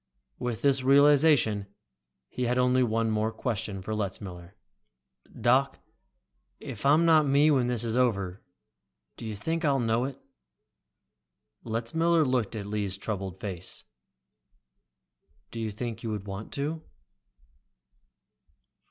With this realization, he had only one more question for Letzmiller. "Doc, if I'm not me when this is over, do you think I'll know it?" Letzmiller looked at Lee's troubled face. "Do you think that you would want to?"